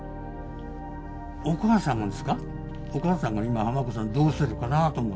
お母さんが今濱子さんどうしてるかなあと思ってね。